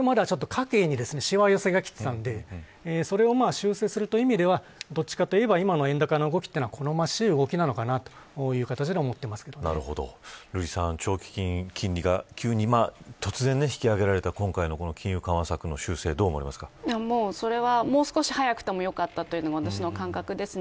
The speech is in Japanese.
これまでは家計にしわ寄せがきていたのでそれを修正するという意味ではどちらかといえば今の円高の動きは好ましい動きなのかなと長期金利が、急に突然、引き上げられた今回の金融緩和政策のもう少し早くても良かったというのが感覚ですね。